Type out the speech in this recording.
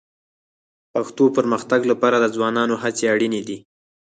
پښتو پرمختګ لپاره د ځوانانو هڅې اړیني دي